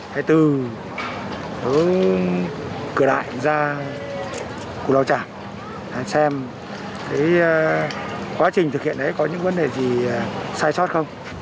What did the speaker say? thế từ cửa đại ra cụ lao trả xem quá trình thực hiện đấy có những vấn đề gì sai sót không